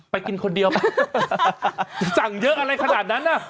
กินคนเดียวป่ะสั่งเยอะอะไรขนาดนั้นน่ะ